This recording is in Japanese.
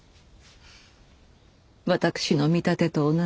私の見立てと同じ。